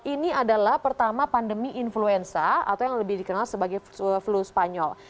ini adalah pertama pandemi influenza atau yang lebih dikenal sebagai flu spanyol